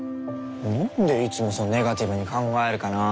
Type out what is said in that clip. なんでいつもそうネガティブに考えるかな。